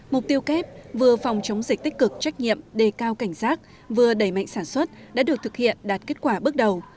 mục tiêu kép vừa phòng chống dịch tích cực trách nhiệm đề cao cảnh giác vừa đẩy mạnh sản xuất đã được thực hiện đạt kết quả bước đầu